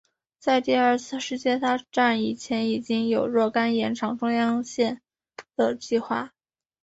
在第二次世界大战以前已经有若干延长中央线的计划。